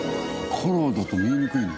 カラーだと見えにくいんだ。